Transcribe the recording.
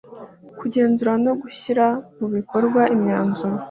kugenzura no gushyira mu bikorwa imyanzuro